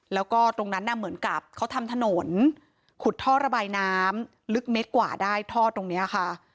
แล้วก็ตรงนั้นน่ะเหมือนกับเขาทำถนนขุดท่อระบายน้ำลึกเมตรกว่าได้ท่อตรงนี้ค่ะ